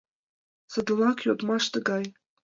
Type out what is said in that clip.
Садланак йодмаш тыгай: